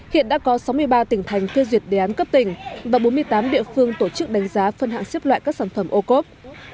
hiện đã có sáu mươi ba tỉnh thành phê duyệt đề án cấp tỉnh và bốn mươi tám địa phương tổ chức đánh giá phân hạng xếp loại các sản phẩm ô cốp